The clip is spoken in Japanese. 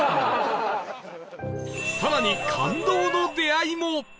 更に感動の出会いも